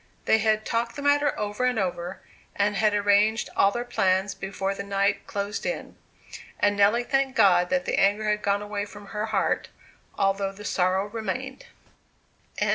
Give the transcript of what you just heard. They had talked the matter over and over, and had arranged all their plans before the night closed in. And Nelly thanked God that the anger had gone away from her heart, although the sorrow remained.